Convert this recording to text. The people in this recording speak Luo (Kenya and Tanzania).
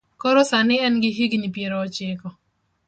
Kora sani en gi higni piero ochiko.